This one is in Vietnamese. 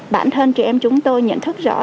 bản thân chị em chúng tôi nhận thức rõ